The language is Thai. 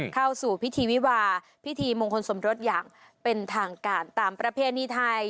เข้าสู่พิธีวิวาพิธีมงคลสมรสอย่างเป็นทางการตามประเพณีไทย